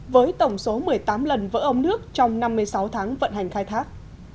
với tổng số một mươi tám lần vỡ ông nước trong năm mươi sáu tháng vận hành khai thác